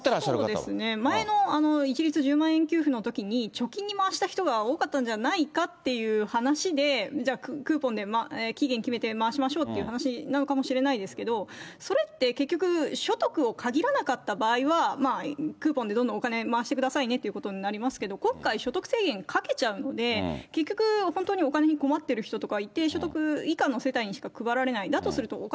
そうですね、前の一律１０万円給付のときに貯金に回した人が多かったんじゃないかっていう話で、じゃあ、クーポンで期限決めて回しましょうという話なのかもしれないですけど、それって、結局所得を限らなかった場合は、クーポンでどんどんお金、回してくださいねっていうことになりますけど、今回、所得制限かけちゃうので、結局、本当にお金に困ってる人とか、一定所得以下の世帯にしか配られないんだするとお金